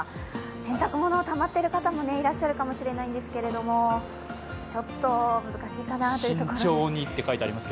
洗濯物たまっている方もいらっしゃるかもしれないですけどちょっと難しいかなというところです。